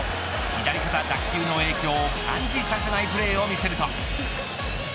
左肩脱きゅうの影響を感じさせないプレーを見せると。